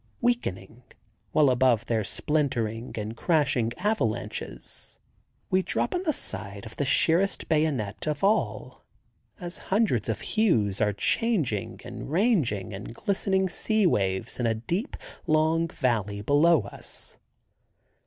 Weakening, while above their splintering and crashing avalanches, we drop on the side of the sheerest bayonet of all, as hundreds of hues are changing and ranging in glistening sea waves in a deep, long valley below us.